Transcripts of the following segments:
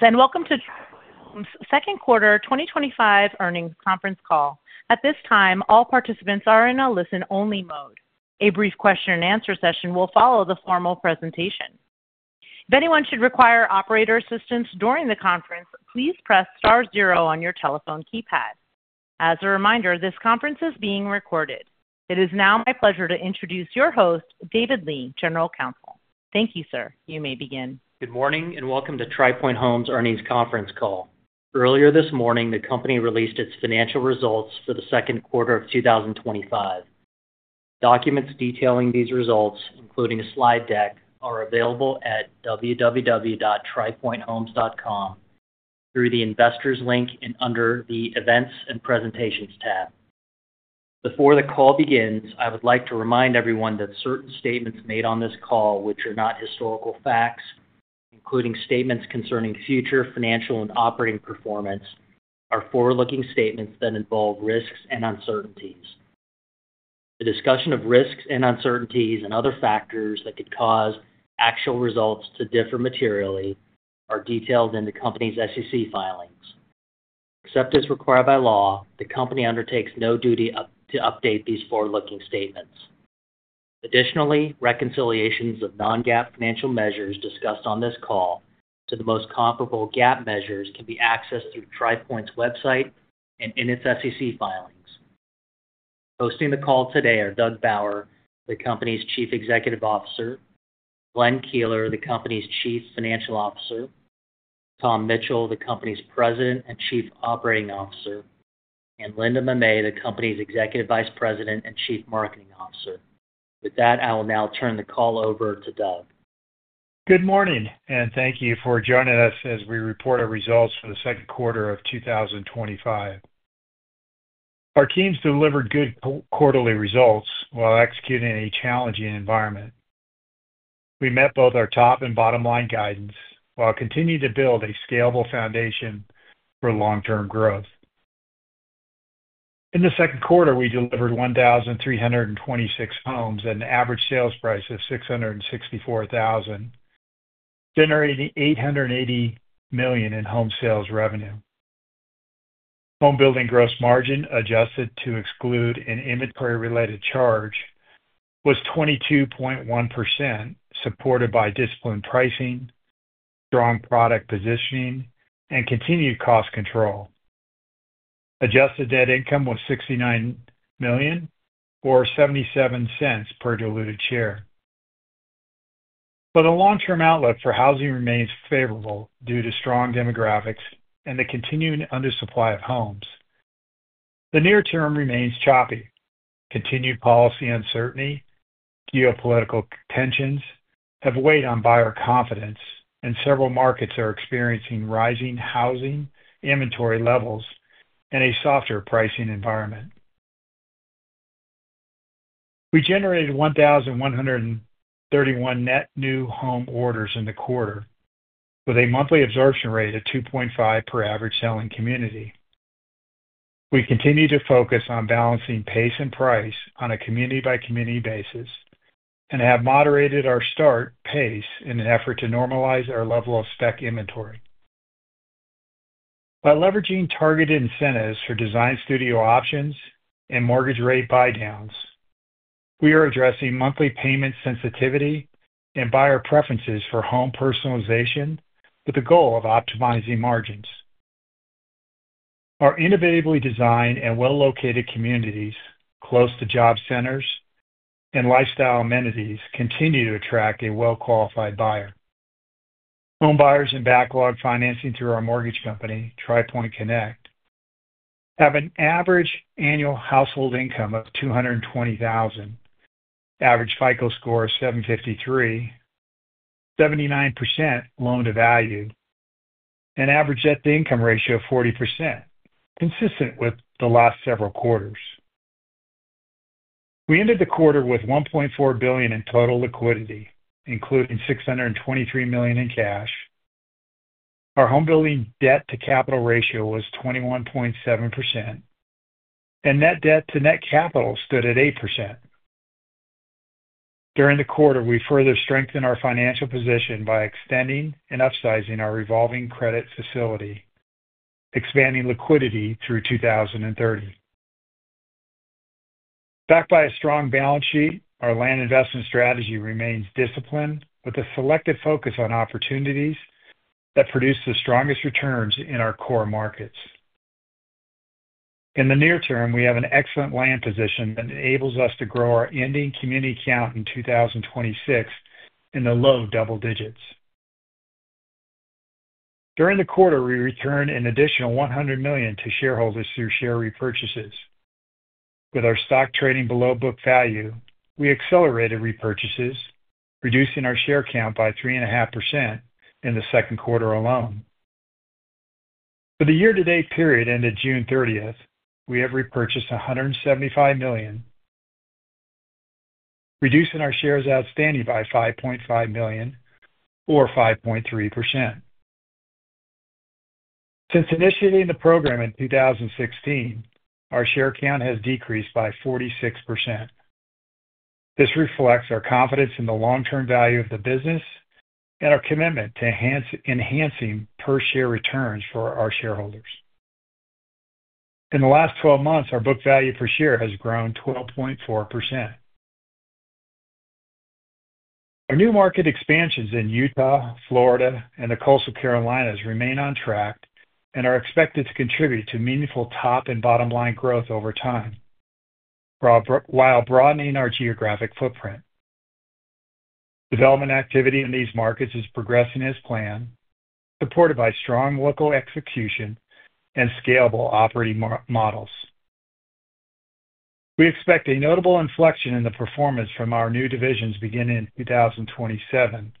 Welcome to the second quarter 2025 earnings conference call. At this time, all participants are in a listen-only mode. A brief question and answer session will follow the formal presentation. If anyone should require operator assistance during the conference, please press star zero on your telephone keypad. As a reminder, this conference is being recorded. It is now my pleasure to introduce your host, David Lee, General Counsel. Thank you, sir. You may begin. Good morning and welcome to Tri Pointe Homes Earnings Conference Call. Earlier this morning the company released its financial results for the second quarter of 2025. Documents detailing these results, including a slide deck, are available at www.tripointhomes.com, through the Investors link and under the Events and Presentations tab. Before the call begins, I would like to remind everyone that certain statements made on this call which are not historical facts, including statements concerning future financial and operating performance, are forward looking statements that involve risks and uncertainties. The discussion of risks and uncertainties and other factors that could cause actual results to differ materially are detailed in the company's SEC filings. Except as required by law, the company undertakes no duty to update these forward looking statements. Additionally, reconciliations of non-GAAP financial measures discussed on this call to the most comparable GAAP measures can be accessed through Tri Pointe Homes' website and in its SEC filings. Hosting the call today are Doug Bauer, the company's Chief Executive Officer, Glenn Keeler, the company's Chief Financial Officer, Tom Mitchell, the company's President and Chief Operating Officer, and Linda Mamet, the company's Executive Vice President and Chief Marketing Officer. With that, I will now turn the call over to Doug. Good morning and thank you for joining us as we report our results for the second quarter of 2025. Our teams delivered good quarterly results while executing a challenging environment. We met both our top and bottom line guidance while continuing to build a scalable foundation for long term growth. In the second quarter we delivered 1,326 homes at an average sales price of $664,000, generating $880 million in home sales revenue. Homebuilding gross margin adjusted to exclude an inventory related charge was 22.1%, supported by disciplined pricing, strong product positioning, and continued cost control. Adjusted net income was $69 million or $0.77 per diluted share. But a long term outlook for housing remains favorable due to strong demographics and the continuing under supply of homes. The near term remains choppy. Continued policy uncertainty and geopolitical tensions have weighed on buyer confidence, and several markets are experiencing rising housing inventory levels and a softer pricing environment. We generated 1,131 net new home orders in the quarter with a monthly absorption rate of 2.5 per average selling community. We continue to focus on balancing pace and price on a community by community basis and have moderated our start pace in an effort to normalize our level of spec inventory by leveraging targeted incentives for design studio options and mortgage rate buy downs. We are addressing monthly payment sensitivity and buyer preferences for home personalization with the goal of optimizing margins. Our innovatively designed and well-located communities close to job centers and lifestyle amenities continue to attract a well-qualified buyer. Home buyers in backlog financing through our mortgage company Tri Pointe Connect have an average annual household income of $220,000, average FICO score 753, 79% loan to value, and an average debt to income ratio of 40%, consistent with the last several quarters. We ended the quarter with $1.4 billion in total liquidity, including $623 million in cash. Our homebuilding debt to capital ratio was 21.7%, and net debt to net capital stood at 8% during the quarter. We further strengthened our financial position by extending and upsizing our revolving credit facility, expanding liquidity through 2030. Backed by a strong balance sheet, our land investment strategy remains disciplined with a selective focus on opportunities that produce the strongest returns in our core markets. In the near term, we have an excellent land position that enables us to grow our ending community count in 2026 in the low double digits. During the quarter, we returned an additional $100 million to shareholders through share repurchases. With our stock trading below book value, we accelerated repurchases, reducing our share count by 3.5% in the second quarter alone. For the year to date period ended June 30th, we have repurchased $175 million, reducing our shares outstanding by 5.5 million or 5.3%. Since initiating the program in 2016, our share count has decreased by 46%. This reflects our confidence in the long term value of the business and our commitment to enhancing per share returns for our shareholders. In the last 12 months our book value per share has grown 12.4%. Our new market expansions in Utah, Florida, and the Coastal Carolinas remain on track and are expected to contribute to meaningful top and bottom line growth over time while broadening our geographic footprint. Development activity in these markets is progressing as planned, supported by strong local execution and scalable operating models. We expect a notable inflection in the performance from our new divisions beginning in 2027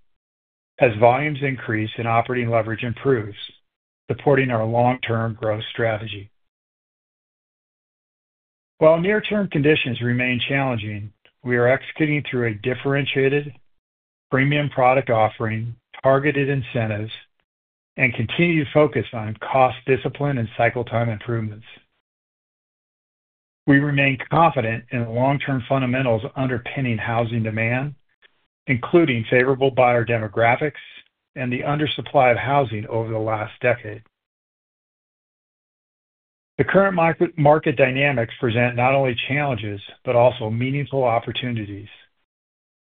as volumes increase and operating leverage improves, supporting our long term growth strategy. While near term conditions remain challenging, we are executing through a differentiated premium product offering, targeted incentives, and continued focus on cost discipline and cycle time improvements. We remain confident in the long term fundamentals underpinning housing demand, including favorable buyer demographics and the under supply of housing over the last decade. The current market dynamics present not only challenges but also meaningful opportunities.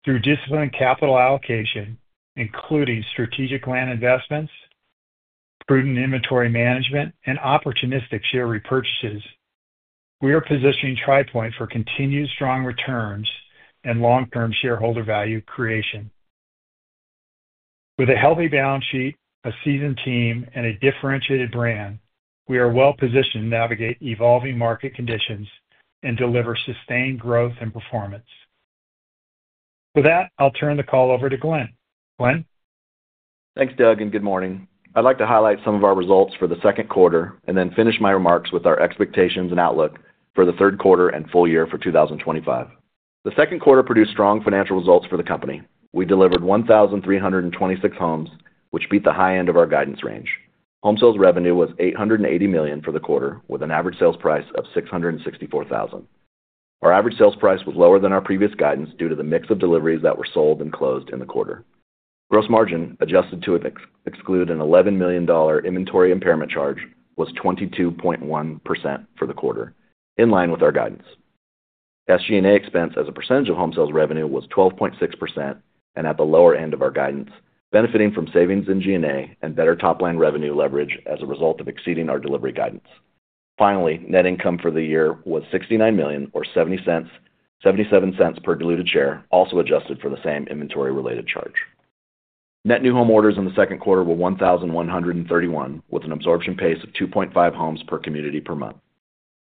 Through disciplined capital allocation, including strategic land investments, prudent inventory management, and opportunistic share repurchases, we are positioning Tri Pointe for continued strong returns and long term shareholder value creation. With a healthy balance sheet, a seasoned team, and a differentiated brand, we are well positioned to navigate evolving market conditions and deliver sustained growth and performance. With that, I'll turn the call over to Glenn. Glenn. Thanks Doug and good morning. I'd like to highlight some of our results for the second quarter and then finish my remarks with our expectations and outlook for the third quarter and full year for 2025. The second quarter produced strong financial results for the company. We delivered 1,326 homes, which beat the high end of our guidance range. Home sales revenue was $880 million for the quarter with an average sales price of $664,000. Our average sales price was lower than our previous guidance due to the mix of deliveries that were sold and closed in the quarter. Gross margin, adjusted to exclude an $11 million inventory impairment charge, was 22.1% for the quarter, in line with our guidance. SG&A expense as a percentage of home sales revenue was 12.6% and at the lower end of our guidance, benefiting from savings in G&A and better top line revenue leverage as a result of exceeding our delivery guidance. Finally, net income for the year was $69 million, or $0.70 to $0.77 per diluted share, also adjusted for the same inventory related charge. Net new home orders in the second quarter were 1,131 with an absorption pace of 2.5 homes per community per month.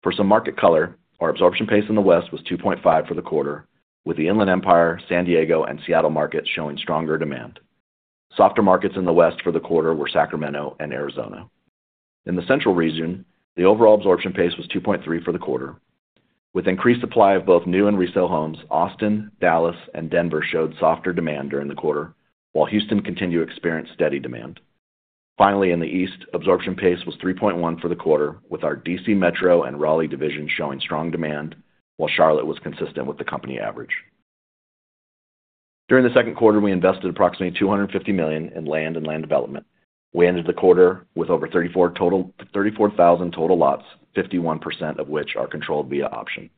For some market color, our absorption pace in the West was 2.5 for the quarter with the Inland Empire, San Diego, and Seattle markets showing stronger demand. Softer markets in the West for the quarter were Sacramento and Arizona. In the Central region, the overall absorption pace was 2.3 for the quarter with increased supply of both new and resale homes. Austin, Dallas, and Denver showed softer demand during the quarter while Houston continued to experience steady demand. In the East, absorption pace was 3.1 for the quarter with our DC Metro and Raleigh divisions showing strong demand while Charlotte was consistent with the company average. During the second quarter, we invested approximately $250 million in land and land development. We ended the quarter with over 34,000 total lots, 51% of which are controlled via option.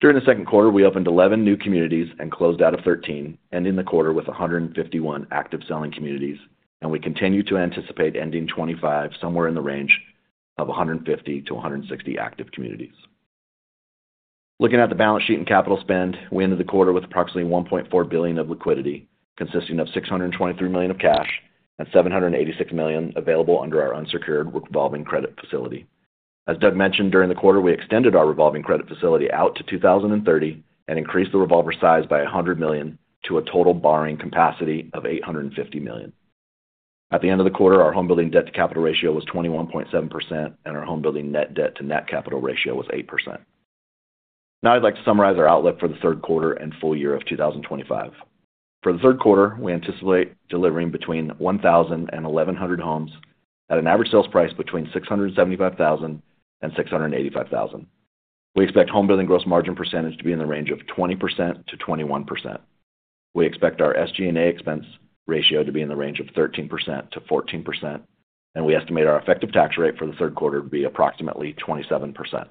During the second quarter, we opened 11 new communities and closed out of 13, ending the quarter with 151 active selling communities, and we continue to anticipate ending 2025 somewhere in the range of 150 to 160 active communities. Looking at the balance sheet and capital spend, we ended the quarter with approximately $1.4 billion of liquidity consisting of $623 million of cash and $786 million available under our unsecured revolving credit facility. As Doug mentioned, during the quarter we extended our revolving credit facility out to 2030 and increased the revolver size by $100 million to a total borrowing capacity of $850 million. At the end of the quarter, our homebuilding debt to capital ratio was 21.7% and our homebuilding net debt to net capital ratio was 8%. Now I'd like to summarize our outlook for the third quarter and full year of 2025. For the third quarter, we anticipate delivering between 1,000 and 1,100 homes at an average sales price between $675,000 and $685,000. We expect homebuilding gross margin percentage to be in the range of 20% to 21%. We expect our SG&A expense ratio to be in the range of 13% to 14% and we estimate our effective tax rate for the third quarter to be approximately 27%.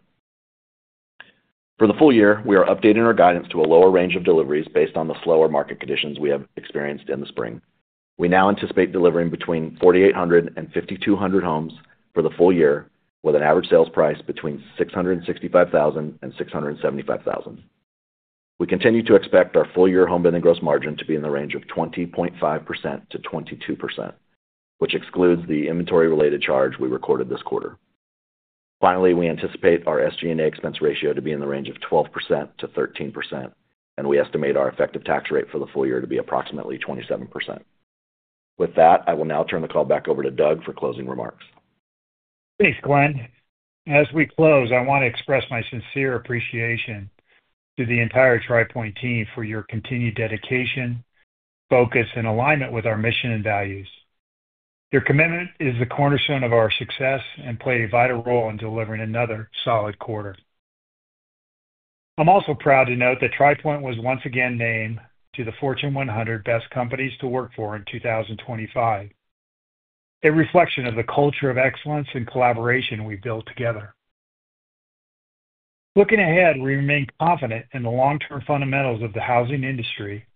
For the full year, we are updating our guidance to a lower range of deliveries based on the slower market conditions we have experienced in the spring. We now anticipate delivering between 4,800 and 5,200 homes for the full year with an average sales price between $665,000 and $675,000. We continue to expect our full year homebuilding gross margin to be in the range of 20.5% to 22%, which excludes the inventory related charge we recorded this quarter. Finally, we anticipate our SG&A expense ratio to be in the range of 12% to 13% and we estimate our effective tax rate for the full year to be approximately 27%. With that, I will now turn the call back over to Doug for closing remarks. Thanks Glenn. As we close, I want to express my sincere appreciation to the entire Tri Pointe team for your continued dedication, focus, and alignment with our mission and values. Your commitment is the cornerstone of our success and played a vital role in delivering another solid quarter. I'm also proud to note that Tri Pointe was once again named to the Fortune 100 Best Companies to Work For in 2025, a reflection of the culture of excellence and collaboration we built together. Looking ahead, we remain confident in the long-term fundamentals of the housing industry,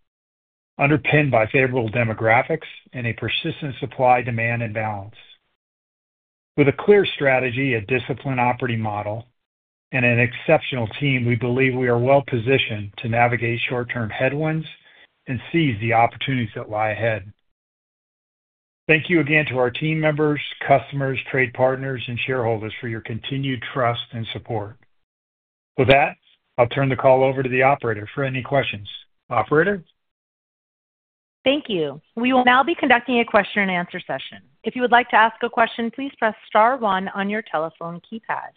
underpinned by favorable demographics and a persistent supply-demand imbalance. With a clear strategy, a disciplined operating model, and an exceptional team, we believe we are well positioned to navigate short-term headwinds and seize the opportunities that lie ahead. Thank you again to our team members, customers, trade partners, and shareholders for your continued trust and support. With that, I'll turn the call over to the operator for any questions. Operator. Thank you. We will now be conducting a question and answer session. If you would like to ask a question, please press star one on your telephone keypad.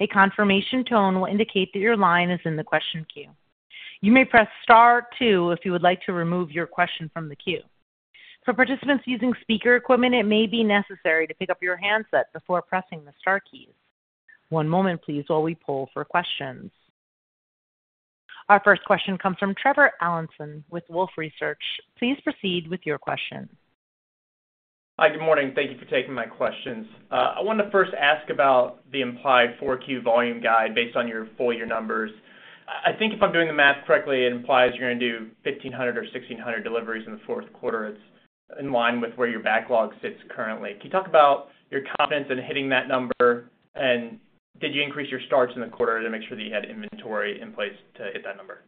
A confirmation tone will indicate that your line is in the question queue. You may press star two if you would like to remove your question from the queue. For participants using speaker equipment, it may be necessary to pick up your handset before pressing the star keys. One moment please, while we poll for questions. Our first question comes from Trevor Allinson with Wolfe Research. Please proceed with your question. Hi, good morning. Thank you for taking my questions. I wanted to first ask about the implied 4Q volume guide based on your full year numbers. I think if I'm doing the math correctly, it implies you're going to do 1,500 or 1,600 deliveries in the fourth quarter. It's in line with where your backlog sits currently. Can you talk about your confidence in hitting that number? Did you increase your starts in the quarter to make sure that you had inventory in place to hit that number?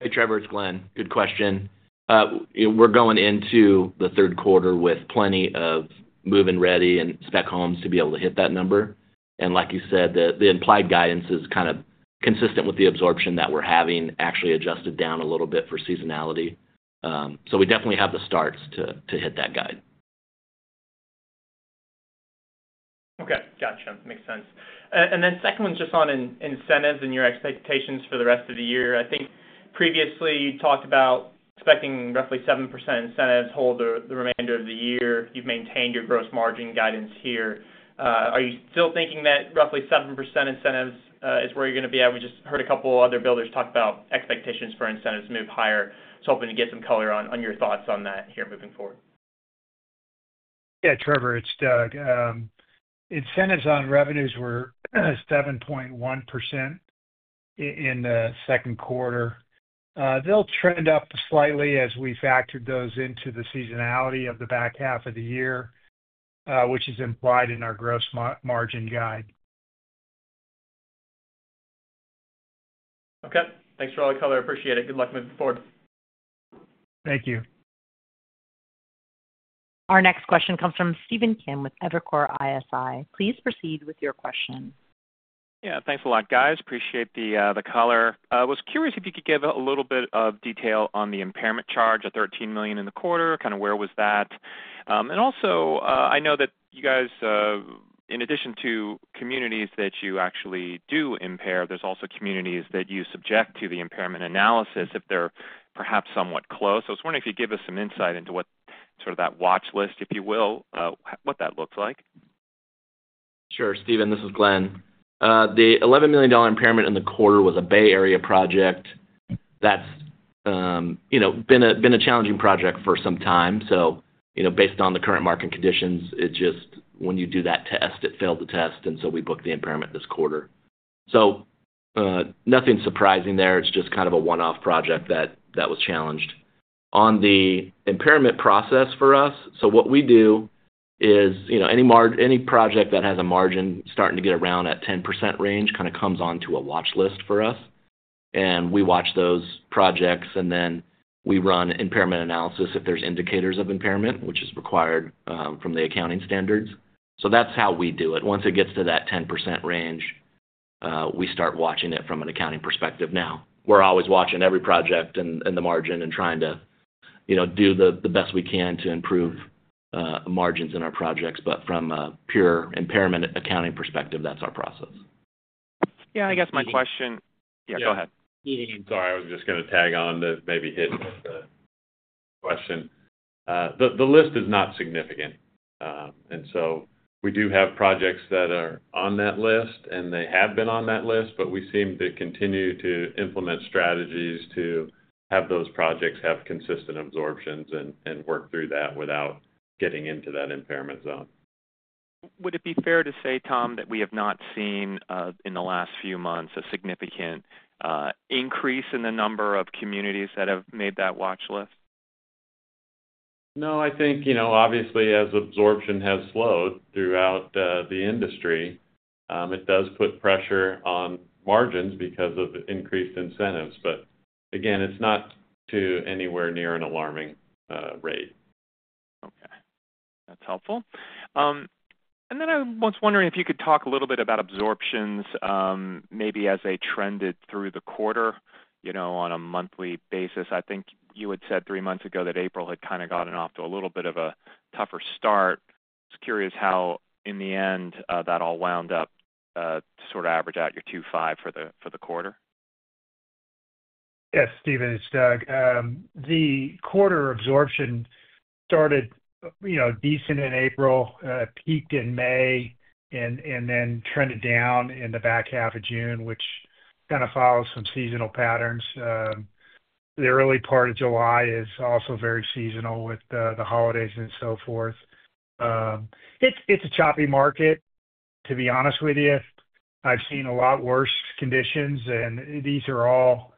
Hey Trevor, it's Glenn. Good question. We're going into the third quarter with plenty of move-in ready and spec homes to be able to hit that number. Like you said, the implied guidance is kind of consistent with the absorption that we're having. Actually, adjusted down a little bit for seasonality. We definitely have the starts to hit that guide. Okay, got you. Makes sense. Second one just on incentives and your expectations for the rest of the year. I think previously you talked about expecting roughly 7% incentives for the remainder of the year. You've maintained your gross margin guidance here. Are you still thinking that roughly 7% incentives is where you're going to be at? We just heard a couple other builders talk about expectations for incentives to move higher. Hoping to get some color on your thoughts on that here moving forward. Yeah, Trevor, it's Doug. Incentives on revenues were 7.1% in the second quarter. They'll trend up slightly as we factored those into the seasonality of the back half of the year, which is implied in our gross margin guide. Okay, thanks for all the color. Appreciate it. Good luck moving forward. Thank you. Our next question comes from Stephen Kim with Evercore ISI. Please proceed with your question. Yeah, thanks a lot, guys. Appreciate the color. I was curious if you could give a little bit of detail on the impairment charge at $13 million in the quarter, kind of where was that? I know that you guys, in addition to communities that you actually do impair, there's also communities that you subject to the impairment analysis if they're perhaps somewhat close. I was wondering if you'd give us some insight into what sort of that watch list, if you will, what that looks like. Sure. Stephen, this is Glenn. The $11 million impairment in the quarter was a Bay Area project that's been a challenging project for some time. Based on the current market conditions, it just, when you do that test, it failed to test, and we booked the impairment this quarter. Nothing surprising there.It's just kind of a one-off. That project was challenged on the impairment process for us. What we do is, any project that has a margin starting to get around that 10% range comes onto a watch list for us and we watch those projects. We run impairment analysis if there's indicators of impairment, which is required from the accounting standards. That's how we do it. Once it gets to that 10% range, we start watching it from an accounting perspective. We're always watching every project in the margin and trying to do the best we can to improve margins in our projects. From a pure impairment accounting perspective, that's our process. I guess my question. Yeah, go ahead. I was just going to tag on to maybe hit the question. The list is not significant. We do have projects that are on that list and they have been on that list, but we seem to continue to implement strategies to have those projects have consistent absorptions and work through that without getting into that impairment zone. Would it be fair to say, Tom, that we have not seen in the last few months a significant increase in the number of communities that have made that watch list? I think, you know, obviously as absorption has slowed throughout the industry, it does put pressure on margins because of increased incentives. Again, it's not to anywhere near an alarming rate. Okay, that's helpful. Could you talk a little bit about absorptions, maybe as they trended through the quarter on a monthly basis? I think you had said three months ago that April had kind of gotten off to a little bit of a tougher start. Just curious how in the end that all wound up to sort of average out your 2025 for the quarter. Yes, Steven, it's Doug. The quarter absorption started decent in April, peaked in May, and then trended down in the back half of June, which kind of follows some seasonal patterns. The early part of July is also very seasonal with the holidays and so forth. It's a choppy market, to be honest with you. I've seen a lot worse conditions, and these are all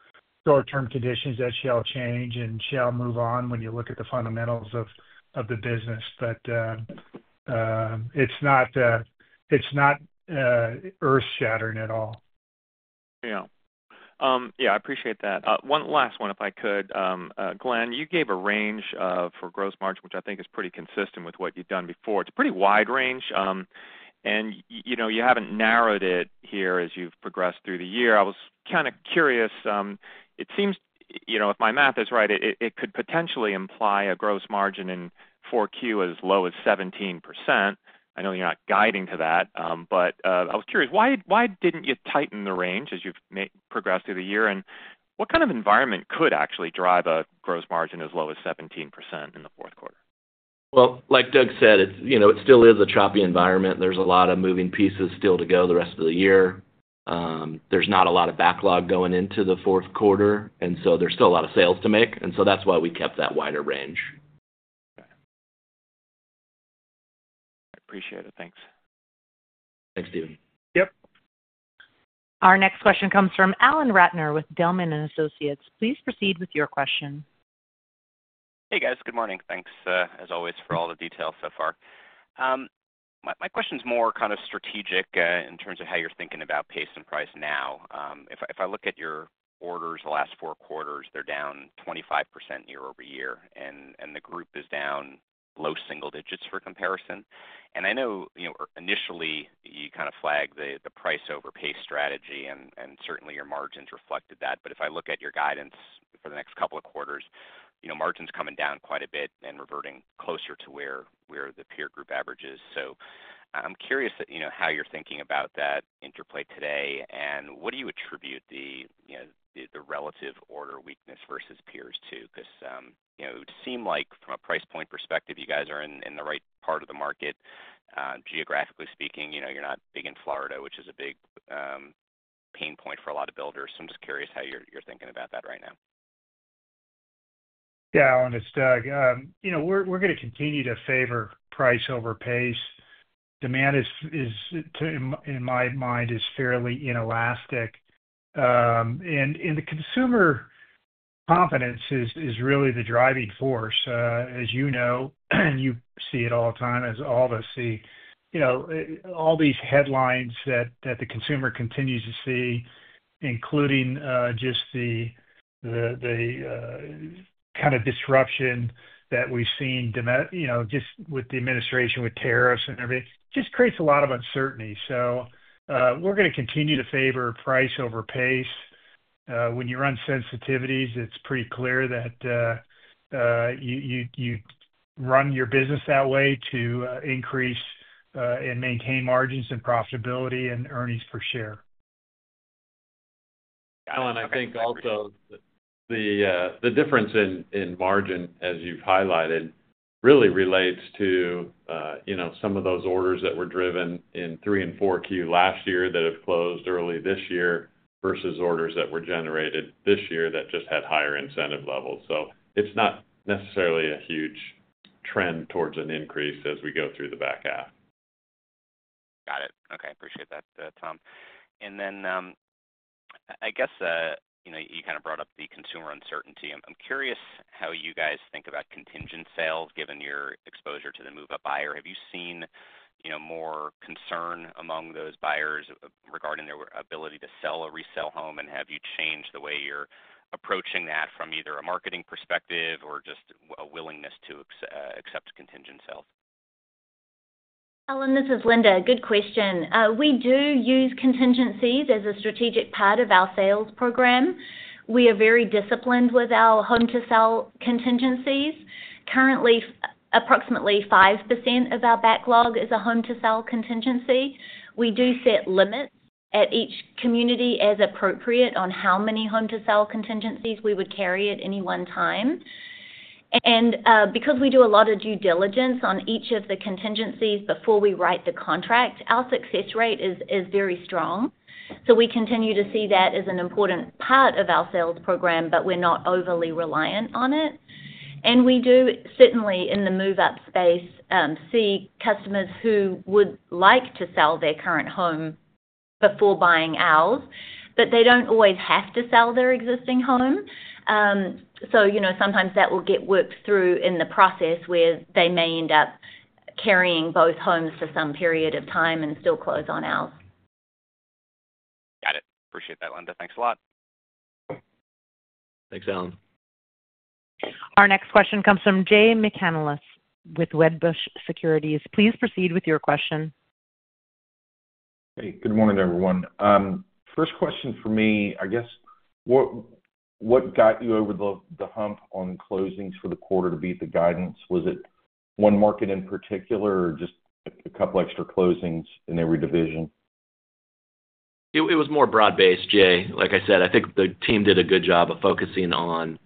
short term conditions that shall change and shall move on when you look at the fundamentals of the business. It's not earth shattering at all. Yeah, I appreciate that. One last one if I could, Glenn. You gave a range for gross margin which I think is pretty consistent with what you've done before. It's a pretty wide range and you haven't narrowed it here as you've progressed through the year. I was kind of curious. It seems if my math is right, it could potentially imply a gross margin in 4Q as low as 17%. I know you're not guiding to that, but I was curious, why didn't you tighten the range as you've progressed through the year? What kind of environment could actually drive a gross margin as low as 17% in the fourth quarter? Like Doug said, it still is a choppy environment. There's a lot of moving pieces still to go the rest of the year. There's not a lot of backlog going into the fourth quarter, and there's still a lot of sales to make, and that's why we kept that wider range. I appreciate it. Thanks. Thanks, Stephen. Yep. Our next question comes from Alan Ratner with Zelman & Associates. Please proceed with your question. Hey guys, good morning. Thanks as always for all the details so far. My question is more kind of strategic in terms of how you're thinking about pace and price. Now, if I look at your orders, the last four quarters, they're down 25% year-over-year and the group is down low single digits for comparison. I know initially you kind of flagged the price overpay strategy and certainly your margins reflected that. If I look at your guidance for the next couple of quarters, margins coming down quite a bit and reverting closer to where the peer group average is, I'm curious how you're thinking about that interplay today and what you attribute the relative order weakness versus peers to. It would seem like from a price point perspective, you guys are in the right part of the market, geographically speaking. You're not big in Florida, which is a big pain point for a lot of builders. I'm just curious how you're thinking about that right now. Yeah, Alan, it's Doug. We're going to continue to favor price over pace. Demand in my mind is fairly inelastic in the consumer. Confidence is really the driving force, as you know, and you see it all the time, as all of us see, you know, all these headlines that the consumer continues to see, including just the kind of disruption that we've seen just with the administration, with tariffs and everything just creates a lot of uncertainty. We're going to continue to favor price over pace. When you run sensitivities, it's pretty clear that you run your business that way to increase and maintain margins and profitability and earnings per share. Alan, I think also the difference in margin, as you've highlighted, really relates to some of those orders that were driven in three and 4Q last year that have closed early this year versus orders that were generated this year that just had higher incentive levels. It's not necessarily a huge trend towards an increase as we go through the back half. Got it. Okay. I appreciate that, Tom. I guess you kind of brought up the consumer uncertainty. I'm curious how you guys think about contingent sales, given your exposure to the move up buyer. Have you seen more concern among those buyers regarding their ability to sell a resale home? Have you changed the way you're approaching that from either a marketing perspective or just a willingness to accept contingent sales? Alan, this is Linda. Good question. We do use contingencies as a strategic part of our sales program. We are very disciplined with our home to sell contingencies. Currently, approximately 5% of our backlog is a home to sell contingency. We do set limits at each community, as appropriate, on how many home to sell contingencies we would carry at any one time. Because we do a lot of due diligence on each of the contingencies before we write the contract, our success rate is very strong. We continue to see that as an important part of our sales program. We're not overly reliant on it. We do certainly, in the move up space, see customers who would like to sell their current home before buying ours, but they don't always have to sell their existing home. Sometimes that will get worked through in the process where they may end up carrying both homes for some period of time and still close on ours. Got it. Appreciate that, Linda. Thanks a lot. Thanks, Alan. Our next question comes from Jay McCanless with Wedbush Securities. Please proceed with your question. Good morning, everyone. First question for me, I guess, what. Got you over the hump on closings for the quarter to beat the guidance? Was it one market in particular? Just a couple extra closings in every division? It was more broad based, Jay. Like I said, I think the team did a good job of focusing on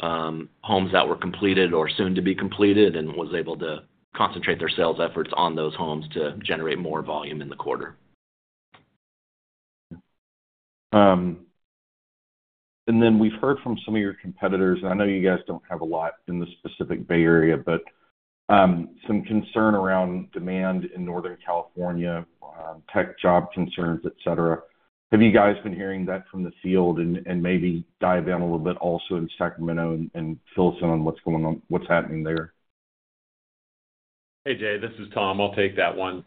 homes that were completed or soon to be completed, and was able to concentrate their sales efforts on those homes to generate more volume in the quarter. We've heard from some of your competitors. I know you guys don't have a lot in the specific Bay Area, but some concern around demand in Northern California. Tech job concerns, etc. Have you guys been hearing that? The field, maybe dive in. Little bit also in Sacramento and fill. Us in on what's going on, what's happening there. Hey, Jay, this is Tom. I'll take that one.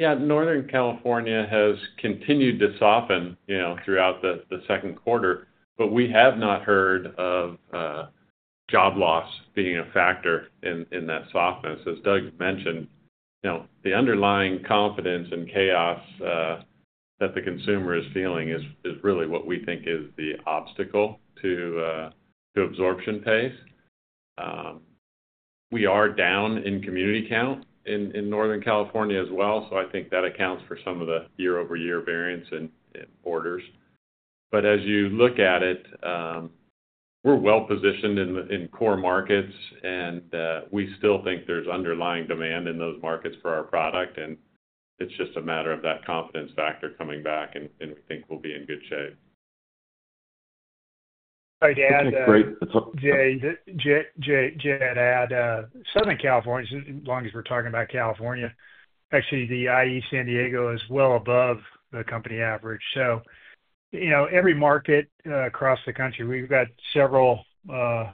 Yeah. Northern California has continued to soften throughout the second quarter, but we have not heard of job loss being a factor in that softness. As Doug mentioned, the underlying confidence and chaos that the consumer is feeling is really what we think is the obstacle to absorption pace. We are down in community count in Northern California as well. I think that accounts for some of the year over year variance in orders. As you look at it, we're well positioned in core markets and we still think there's underlying demand in those markets for our product. It's just a matter of that confidence factor coming back. We think we'll be in good shape. Southern California, as long as we're talking about California, actually the I.E., San Diego is well above the company average. You know, every market across the country, we've got several, five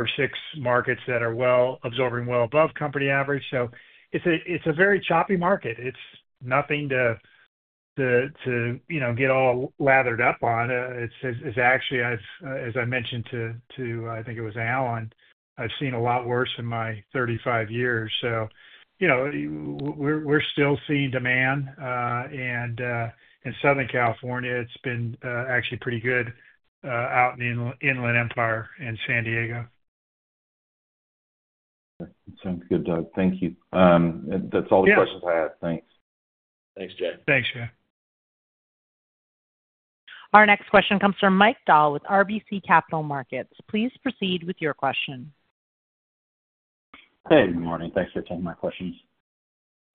or six markets that are absorbing well above company average. It's a very choppy market. It's nothing to get all lathered up on. As I mentioned to, I think it was Alan, I've seen a lot worse in my 35 years. We're still seeing demand, and in Southern California, it's been actually pretty good out in the Inland Empire and San Diego. Sounds good, Doug. Thank you. That's all the questions I have. Thanks, Jay. Thanks, Jay. Our next question comes from Mike Dahl with RBC Capital Markets. Please proceed with your question. Hey, good morning. Thanks for taking my questions.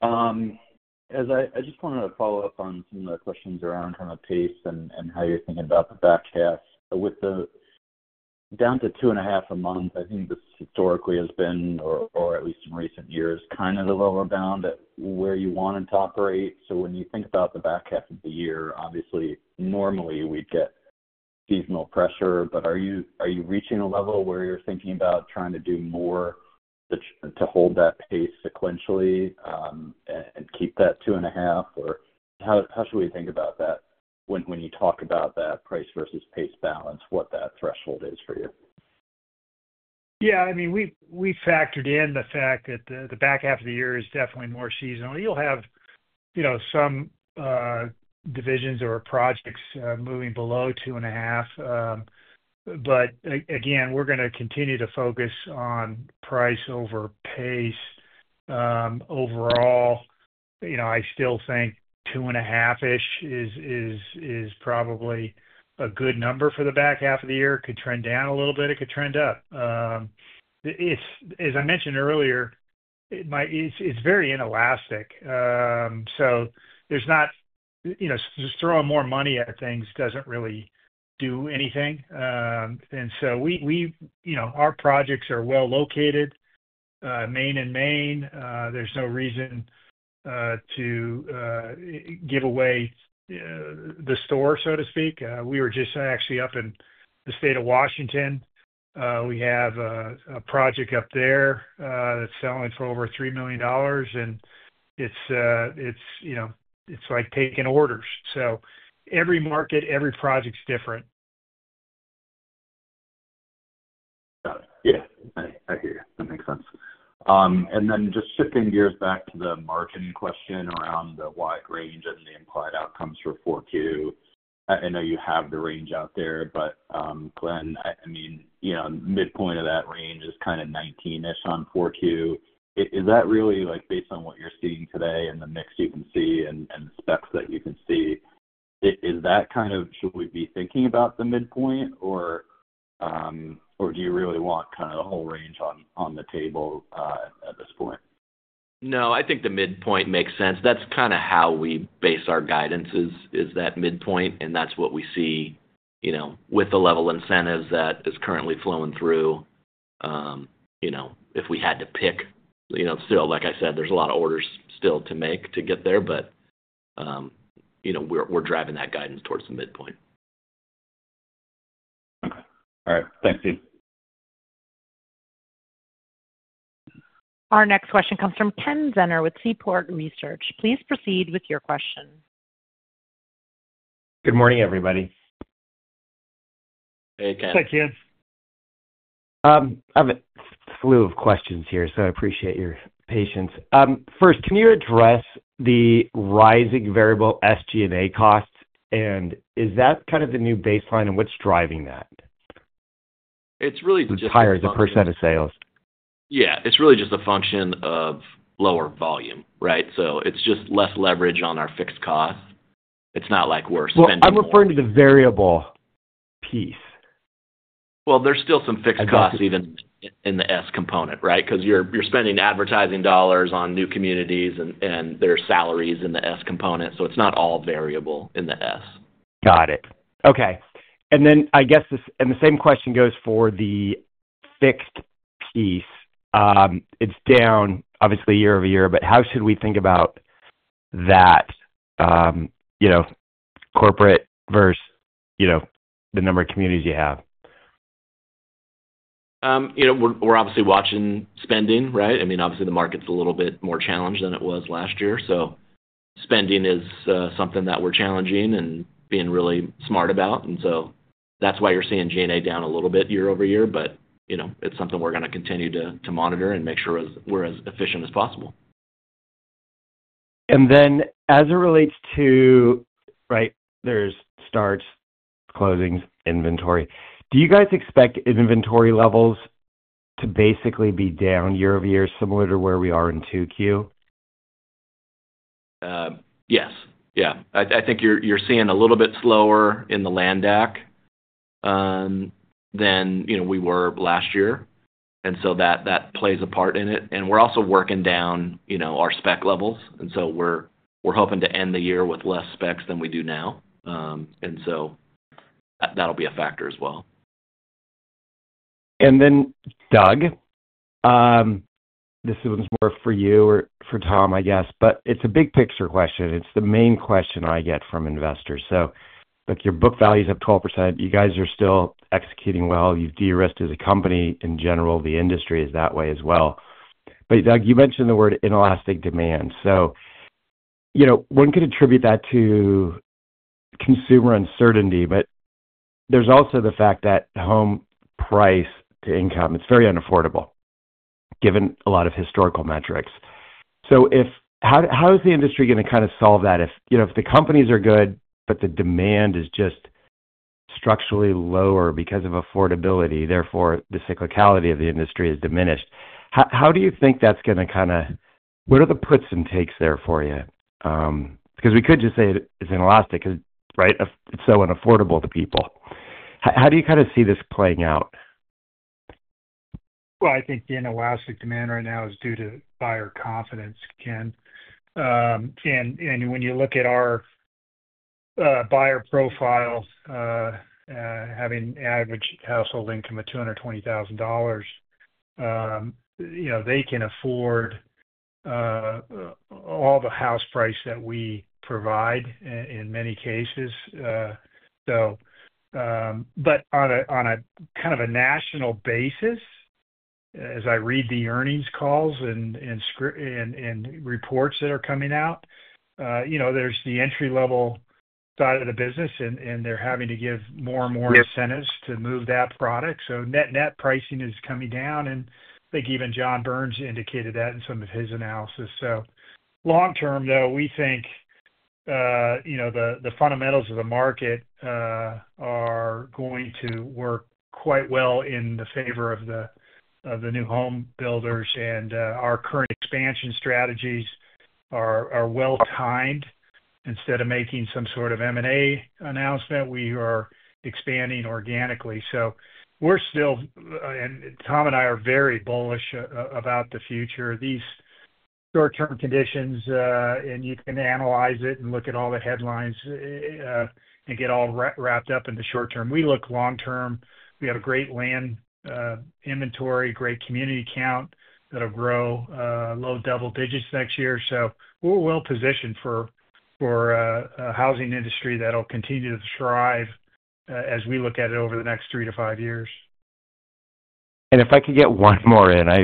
I just wanted to follow up on some of the questions around pace and how you're thinking about the back half with the down to 2.5 a month. I think this historically has been, or at least in recent years, kind of the lower bound at where you want it to operate. When you think about the back half of the year, obviously normally we'd get seasonal pressure, but are you reaching a level where you're thinking about trying to do more to hold that pace. Sequentially and keep that 2.5, how should we think about that when you talk about that price versus pace balance, what that threshold is for you? Yeah, I mean, we factored in the fact that the back half of the year is definitely more seasonal. You'll have some divisions or projects moving below 2.5. Again, we're going to continue to focus on price over pace overall. I still think 2.5 is probably a good number for the back half of the year. It could trend down a little bit. It could trend up. As I mentioned earlier, it's very inelastic. There's not, you know, just throwing more money at things doesn't really do anything. Our projects are well located, main and main. There's no reason to give away the store, so to speak. We were just actually up in the state of Washington. We have a project up there that's selling for over $3 million, and it's like taking orders. Every market, every project's different. Got it. Yeah, I hear you. That makes sense. Shifting gears back to the margin question around the wide range and the implied outcomes for 4Q. I know you have the range out there, but Glenn, the midpoint of that range is kind of 19% on 4Q. Is that really, like, based on what you're seeing today and the mix you can see and the specs that you can see, is that kind of, should we be thinking about the midpoint or do you really want the whole range on the table at this point? No, I think the midpoint makes sense. That's kind of how we base our guidance, is that midpoint. That's what we see with the level incentives that is currently flowing through. If we had to pick, there's a lot of orders still to make to get there. You know, we're driving that guidance towards the midpoint. Okay. All right, thanks, Steve. Our next question comes from Ken Zener with Seaport Research. Please proceed with your question. Good morning, everybody. Hey, Ken. Hi, Ken. I have a slew of questions here, so I appreciate your patience. First, can you address the rising variable SG&A cost and is that kind of the new baseline and what's driving that? It's really just higher the % of sales. Yeah, it's really just a function of lower volume. It's just less leverage on our fixed cost. It's not like we're spending. I'm referring to the variable piece. There are still some fixed costs even in the S component. Right. You're spending advertising dollars on new communities and their salaries in the S component. It's not all variable in the S. Got it. Okay. I guess this. The same question goes for the fixed piece. It's down, obviously, year over year, but how should we think about that, you know, corporate versus, you know, the number of communities you have? We're obviously watching spending, right? I mean, obviously the market's a little bit more challenged than it was last year. Spending is something that we're challenging and being really smart about. That's why you're seeing G&A down a little bit year-over-year. It's something we're going to continue to monitor and make sure we're as efficient as possible. As it relates to. Right. There's starts, closings, inventory. Do you guys expect inventory levels to basically be down year over year, similar to where we are in 2Q? Yes. I think you're seeing a little bit slower in the land act than we were last year. That plays a part in it. We're also working down our spec levels, and we're hoping to end the year with less specs than we do now. That'll be a factor as well. Doug. This one's more for you or for Tom, I guess. It's a big picture question. It's the main question I get from investors. Your book value is up 12%. You guys are still executing well. You've de-risked as a company in general. The industry is that way as well. Doug, you mentioned the word inelastic demand. One could attribute that to consumer uncertainty. There's also the fact that home price to income, it's very unaffordable given. A lot of historical metrics. How is the industry going to kind of solve that if, you know, if the companies are good, but the demand is just structurally lower because of affordability, therefore the cyclicality of the industry is diminished? How do you think that's going to kind of, what are the puts and takes there for you? Because we could just say it is inelastic. Right. It's so unaffordable to people. How do you kind of see this playing out? I think the inelastic demand right now is due to buyer confidence, Ken. When you look at our buyer profile, having average household income of $220,000, you know, they can afford all the house price that we provide in many cases. On a kind of a national basis, as I read the earnings calls and reports that are coming out, there's the entry level side of the business and they're having to give more and more incentives to move that product. Net, net pricing is coming down and I think even John Burns indicated that in some of his analysis. Long term though, we think the fundamentals of the market are going to work quite well in the favor of the new home builders. Our current expansion strategies are well timed. Instead of making some sort of M&A announcement, we are expanding organically. Tom and I are very bullish about the future, these short term conditions and you can analyze it and look at all the headlines and get all wrapped up. In the short term we look long term, we have a great land inventory, great community count that will grow low double digits next year. We're well positioned for a housing industry that'll continue to thrive as we look at it over the next three to five years. If I could get one more in, I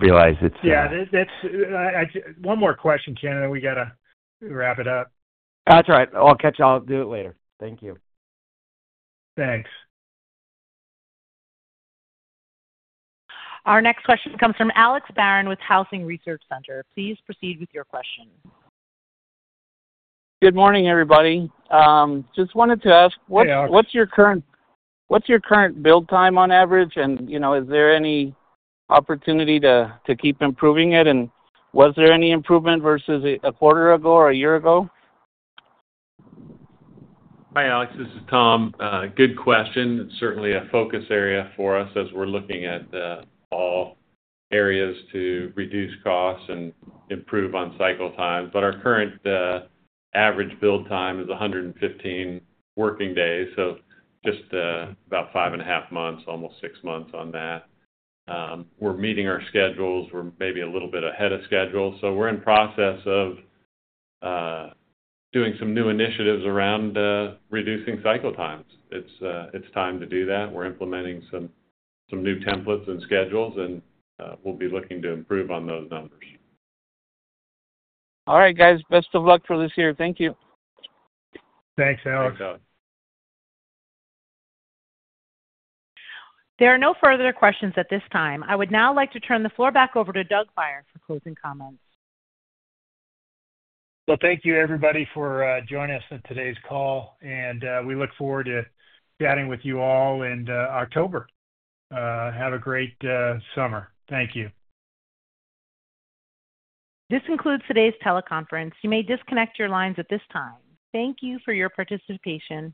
realize it's. Yeah, one more question, Ken, and then we have to wrap it up. That's right. I'll catch you all do it later. Thank you. Thanks. Our next question comes from Alex Barron with Housing Research Center. Please proceed with your question. Good morning everybody. I just wanted to ask, what's your current build time on average? Is there any opportunity to keep improving it, and was there? Any improvement versus a quarter ago or a year ago? Hi Alex, this is Tom. Good question. Certainly a focus area for us as we're looking at all areas to reduce costs and improve on cycle times. Our current assets average build time is 115 working days, so just about five and a half months, almost six months on that. We're meeting our schedules. We're maybe a little bit ahead of schedule. We're in process of doing some new initiatives around reducing cycle times. It's time to do that. We're implementing some new templates and schedules, and we'll be looking to improve on those numbers. All right, guys, best of luck for this year. Thank you. Thanks, Alex. There are no further questions at this time. I would now like to turn the floor back over to Doug Bauer for closing comments. Thank you, everybody, for joining us on today's call. We look forward to chatting with you all in October. Have a great summer. Thank you. This concludes today's teleconference. You may disconnect your lines at this time. Thank you for your participation.